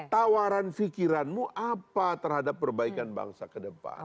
tawaran fikiranmu apa terhadap perbaikan bangsa kedepan